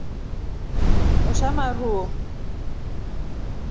Oshamaru o.